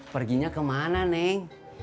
perginya kemana neng